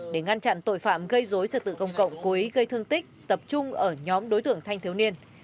để ngăn chặn tội phạm gây dối trật tự công cộng cố ý gây thương tích tập trung ở nhóm đối tượng thanh thiếu niên